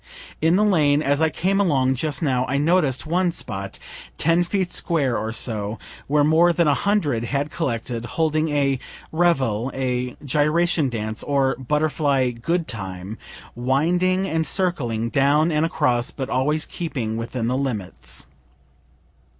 In the lane as I came along just now I noticed one spot, ten feet square or so, where more than a hundred had collected, holding a revel, a gyration dance, or butterfly good time, winding and circling, down and across, but always keeping within the limits.